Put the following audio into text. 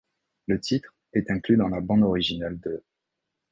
Le titre ' est inclus dans la bande-originale de '.